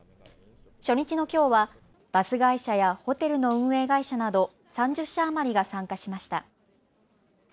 初日のきょうはバス会社やホテルの運営会社など３０社余りが参加しました。